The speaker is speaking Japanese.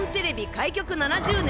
開局７０年